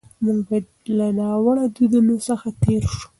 موږ باید له ناوړه دودونو څخه تېر سو.